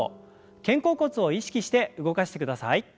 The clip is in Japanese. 肩甲骨を意識して動かしてください。